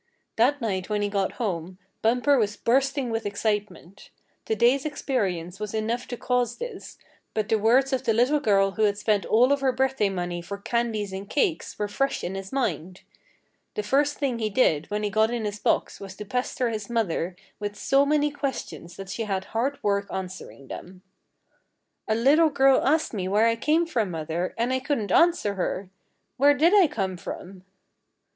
That night when he got home, Bumper was bursting with excitement. The day's experience was enough to cause this, but the words of the little girl who had spent all of her birthday money for candies and cakes were fresh in his mind. The first thing he did when he got in his box was to pester his mother with so many questions that she had hard work answering them. "A little girl asked me where I came from, mother, and I couldn't answer her. Where did I come from?"